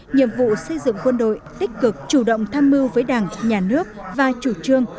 nhiệm vụ xây dựng quân đội tích cực chủ động tham mưu với đảng nhà nước và chủ trương